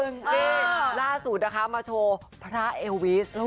นี่ล่าสุดนะคะมาโชว์พระเอลวิส